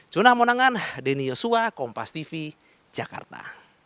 juna monangan denny yosua kompastv jakarta